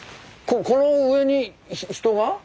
この上に人が？